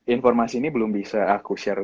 informasi ini belum bisa aku share